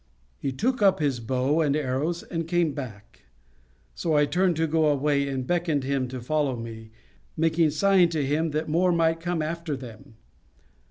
He took up his bow and arrows, and came back; so I turned to go away, and beckoned him to follow me, making sign to him that more might come after them.